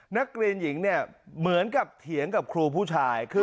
นักเรียนหญิงเนี่ยเหมือนกับเถียงกับครูผู้ชาย